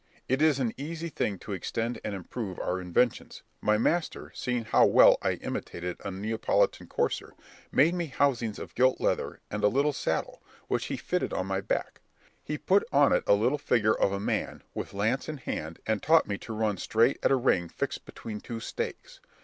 As it is an easy thing to extend and improve our inventions, my master, seeing how well I imitated a Neapolitan courser, made me housings of gilt leather, and a little saddle, which he fitted on my back; he put on it a little figure of a man, with lance in hand, and taught me to run straight at a ring fixed between two stakes.